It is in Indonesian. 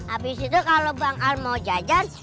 abisitu kalo bang al mau jajan